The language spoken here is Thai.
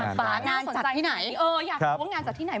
น่าสนใจที่ไหนอยากรู้ว่างานจัดที่ไหน